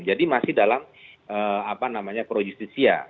jadi masih dalam pro justisia